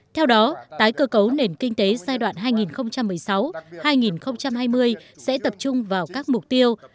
theo đó tái cơ cấu nền kinh tế giai đoạn hai nghìn một mươi sáu hai nghìn hai mươi sẽ tập trung vào các mục tiêu